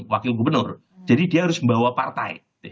wakil gubernur jadi dia harus membawa partai